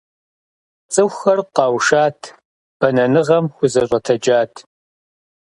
ЦӀыхухэр къэушат, бэнэныгъэм хузэщӀэтэджат.